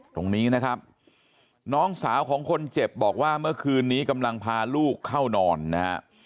ตรงนี้นะครับน้องสาวของคนเจ็บบอกว่าเมื่อคืนนี้กำลังพาลูกเข้านอนนะฮะ